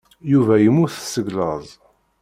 Yuba yemmut seg laẓ.